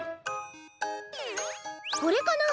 これかな？